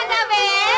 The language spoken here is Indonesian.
enak gak be